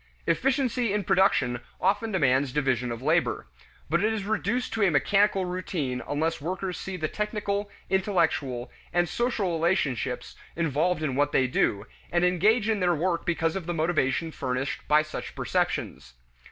Efficiency in production often demands division of labor. But it is reduced to a mechanical routine unless workers see the technical, intellectual, and social relationships involved in what they do, and engage in their work because of the motivation furnished by such perceptions.